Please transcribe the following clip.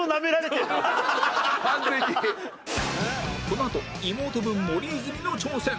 このあと妹分森泉の挑戦